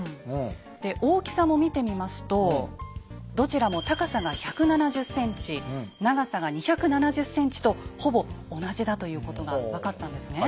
で大きさも見てみますとどちらも高さが１７０ｃｍ長さが２７０ｃｍとほぼ同じだということが分かったんですね。